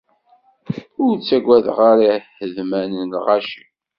Ur ttaggadeɣ ara ihedman n lɣaci.